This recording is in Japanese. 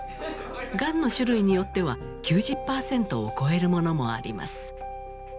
がんの種類によっては９０％を超えるものもあります。